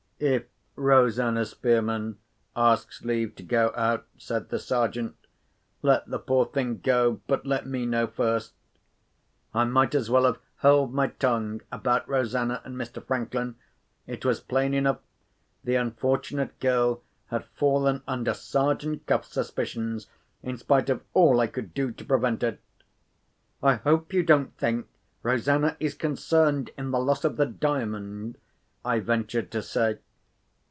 "If Rosanna Spearman asks leave to go out," said the Sergeant, "let the poor thing go; but let me know first." I might as well have held my tongue about Rosanna and Mr. Franklin! It was plain enough; the unfortunate girl had fallen under Sergeant Cuff's suspicions, in spite of all I could do to prevent it. "I hope you don't think Rosanna is concerned in the loss of the Diamond?" I ventured to say.